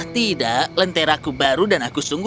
tidak lentera aku baru dan aku sungguh